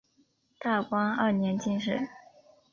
大观二年进士。